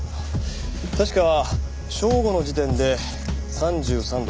確か正午の時点で３３度。